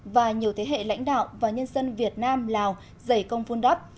và nhiều thế hệ lãnh đạo và nhân dân việt nam lào dày công vun đắp